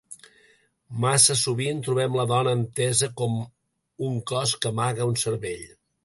Massa sovint trobem la dona entesa com un cos que amaga un cervell.